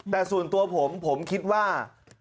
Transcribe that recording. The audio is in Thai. แต่ส่วนตัวผมผมคิดว่า